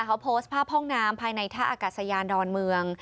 เขาโพสต์ภาพห้องน้ำภายในท่าอากาศยานดอนเมือง